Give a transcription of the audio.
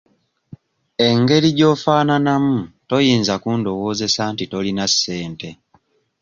Engeri gy'ofaananamu toyinza kundowoozesa nti tolina ssente.